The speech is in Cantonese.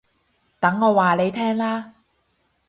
等我話你聽啦